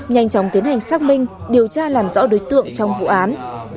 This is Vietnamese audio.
nhanh chóng tiến hành xác minh điều tra làm rõ đối tượng trong vụ án